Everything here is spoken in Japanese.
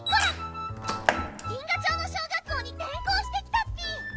銀河町の小学校にてん校してきたッピ！